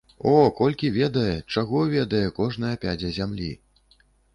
О, колькі ведае, чаго ведае кожная пядзя зямлі!